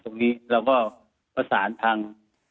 ตรงนี้เราก็ประสานทาง